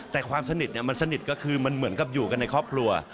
แต่ความสนิทมันสนิทก็คือมันเหมือนกับอยู่กันในครอบครัว